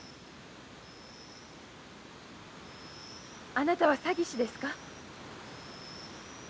あなたは詐欺師ですか？